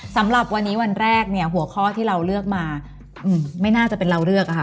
สำหรับวันนี้วันแรกเนี่ยหัวข้อที่เราเลือกมาไม่น่าจะเป็นเราเลือกอะค่ะ